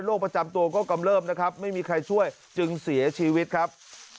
ประจำตัวก็กำเริบนะครับไม่มีใครช่วยจึงเสียชีวิตครับ